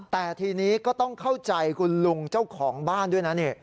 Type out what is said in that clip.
แต่ทีนี้ก็ต้องเข้าใจคุณลุงเจ้าของบ้านด้วยนะนี่